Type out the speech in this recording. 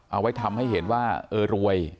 เอาไว้ทำให้เห็นว่าเออรวย